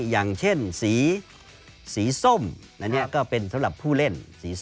อย่างเช่นสีส้มนี่ก็เป็นสำหรับผู้เล่น